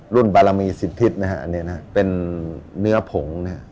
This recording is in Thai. บารมีสิทธินะฮะอันนี้นะฮะเป็นเนื้อผงนะฮะ